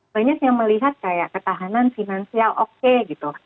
banyak yang melihat kayak ketahanan finansial oke gitu